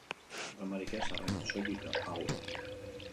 Dramarik ez, arren: soilik agur.